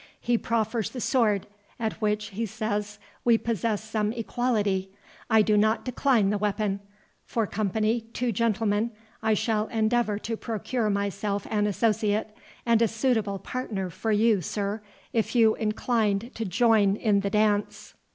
He proffers the sword, at which, he says, we possess some equality—I do not decline the weapon; for company, two gentlemen—I shall endeavour to procure myself an associate, and a suitable partner for you, sir, if you incline to join in the dance."